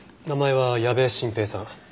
名前は矢部晋平さん。